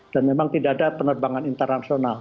dan memang tidak ada penerbangan internasional